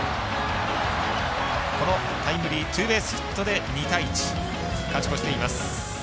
タイムリーツーベースヒットで２対１勝ち越しています。